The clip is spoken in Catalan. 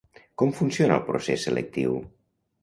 Com funciona el procés selectiu?